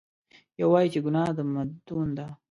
یو وایي چې ګناه د مدون ده.